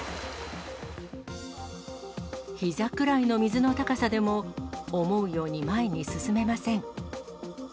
ひざくらいの水の高さでも、思うように前に進めません。